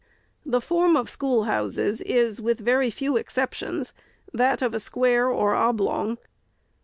The form of schoolhouses is, with very few exceptions, that of a square or oblong.